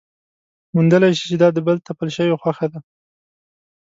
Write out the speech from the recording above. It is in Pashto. موندلی شي چې دا د بل تپل شوې خوښه ده.